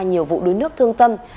nhiều vụ đuối nước thương tâm